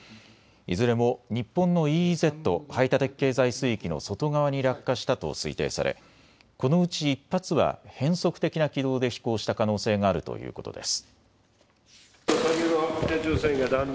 いずれも日本のＥＥＺ・排他的経済水域の外側に落下したと推定されこのうち１発は変則的な軌道で飛行した可能性があるということです。